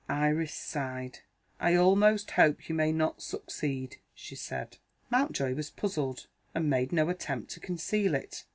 Iris sighed. "I almost hope you may not succeed," she said. Mountjoy was puzzled, and made no attempt to conceal it.